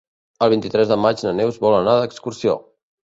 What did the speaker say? El vint-i-tres de maig na Neus vol anar d'excursió.